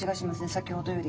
先ほどより。